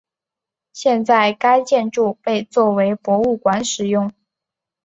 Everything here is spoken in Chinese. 现在该建筑被作为博物馆使用。